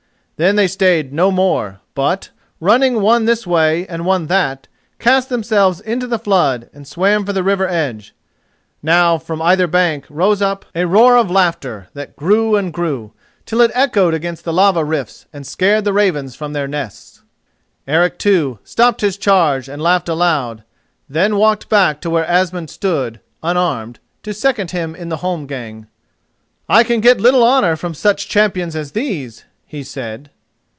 Then they stayed no more, but, running one this way and one that, cast themselves into the flood and swam for the river edge. Now from either bank rose up a roar of laughter, that grew and grew, till it echoed against the lava rifts and scared the ravens from their nests. Eric, too, stopped his charge and laughed aloud; then walked back to where Asmund stood, unarmed, to second him in the holmgang. "I can get little honour from such champions as these," he said.